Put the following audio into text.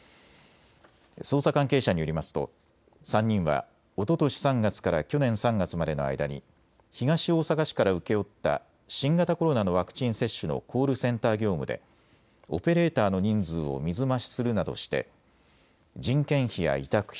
捜査関係者によりますと３人はおととし３月から去年３月までの間に東大阪市から請け負った新型コロナのワクチン接種のコールセンター業務でオペレーターの人数を水増しするなどして人件費や委託費